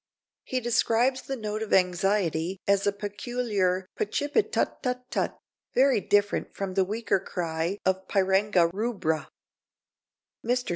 He describes the note of anxiety as a peculiar "pa chip it tut tut tut," very different from the weaker cry of Pyranga rubra. Mr.